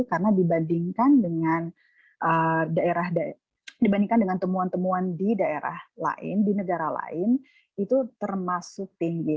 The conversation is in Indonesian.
karena dibandingkan dengan temuan temuan di daerah lain di negara lain itu termasuk tinggi